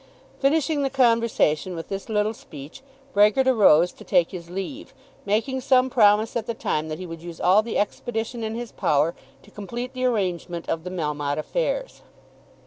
Finishing the conversation with this little speech Brehgert arose to take his leave, making some promise at the time that he would use all the expedition in his power to complete the arrangement of the Melmotte affairs.